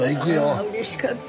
あうれしかった。